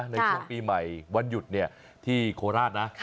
ในช่วงปีใหม่วันหยุดที่โคราชนะ